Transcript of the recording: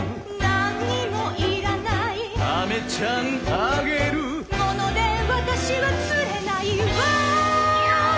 「何もいらない」「飴ちゃんあげる」「もので私は釣れないわ」